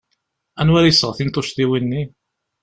Anwa ara iseɣtin tuccḍiwin-nni?